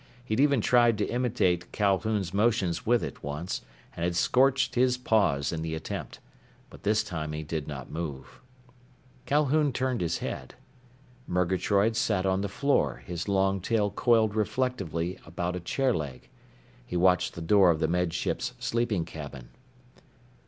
He'd even tried to imitate Calhoun's motions with it, once, and had scorched his paws in the attempt. But this time he did not move. Calhoun turned his head. Murgatroyd sat on the floor, his long tail coiled reflectively about a chair leg. He watched the door of the Med Ship's sleeping cabin.